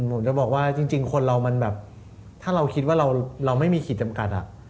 ผมจะบอกว่าจริงคนเรามันแบบถ้าเราคิดว่าเราไม่มีขีดจำกัด